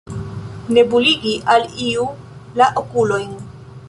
Nebuligi al iu la okulojn.